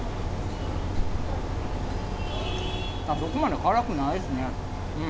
そこまで辛くないですね。